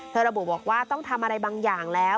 ระบุบอกว่าต้องทำอะไรบางอย่างแล้ว